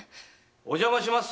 ・お邪魔します